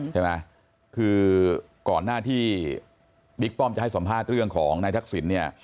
ใช่ไหมคือก่อนหน้าที่บิ๊กป้อมจะให้สัมภาษณ์เรื่องของนายทักษิณเนี่ย